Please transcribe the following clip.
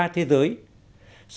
thế giới của việt nam